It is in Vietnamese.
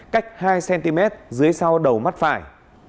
cách hai cm dưới sau đầu mắt phải